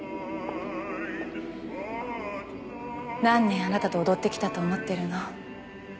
何年あなたと踊ってきたと思ってるの？